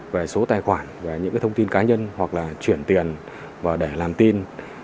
về số tài khoản về những thông tin cá nhân hoặc là chuyển tiền và để làm tin